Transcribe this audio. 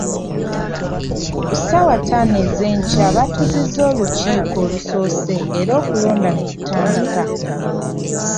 Ku ssaawa ttaano ez'enkya batuuzizza olukiiko olusoose era okulonda ne kutandika.